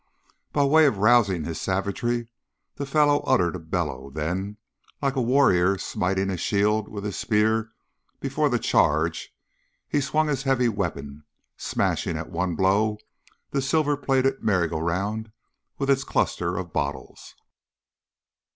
By way of rousing his savagery, the fellow uttered a bellow, then, like a warrior smiting his shield with his spear before the charge, he swung his heavy weapon, smashing at one blow that silver plated merry go round with its cluster of bottles.